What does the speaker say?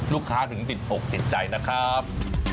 ลูกค้าถึงติดหกติดใจนะครับ